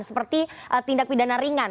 seperti tindak pidana ringan